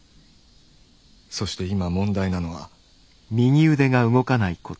そして今問題なのは。